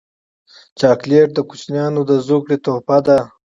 چاکلېټ د کوچنیانو د زوکړې تحفه ده.